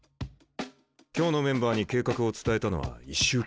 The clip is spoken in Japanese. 今日のメンバーに計画を伝えたのは１週間前だ。